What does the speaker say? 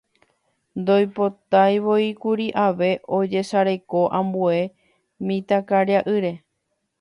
Ndoipotaivoíkuri ave ojesareko ambue mitãkariaʼýre.